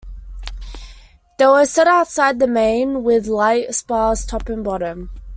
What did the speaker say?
These were set outside the main with light spars top and bottom.